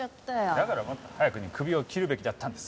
だからもっと早くにクビを切るべきだったんです。